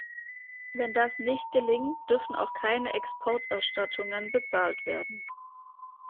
Wenn das nicht gelingt, dürfen auch keine Exporterstattungen bezahlt werden.